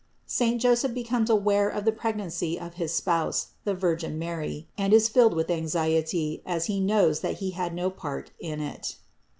SAINT JOSEPH BECOMES AWARE OF THE PREGNANCY OF HIS SPOUSE, THE VIRGIN MARY, AND IS FILLED WITH ANXIETY, AS HE KNOWS THAT HE HAD NO PART IN IT.